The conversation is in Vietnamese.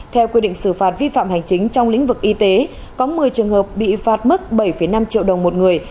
theo quy định xử phạt vi phạm hành chính trong lĩnh vực y tế có một mươi trường hợp bị phạt mức bảy năm triệu đồng một người